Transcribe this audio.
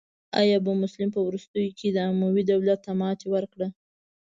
ابو مسلم په وروستیو کې اموي دولت ته ماتې ورکړه.